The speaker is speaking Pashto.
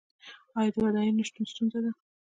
آیا د ودانیو نشتون ستونزه ده؟